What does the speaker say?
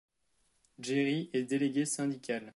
Gerry est délégué syndical.